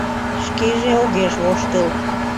Шкеже огеш воштыл.